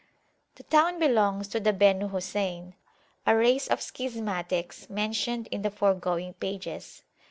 The town belongs to the Benu Hosayn, a race of [p.125] schismatics mentioned in the foregoing pages.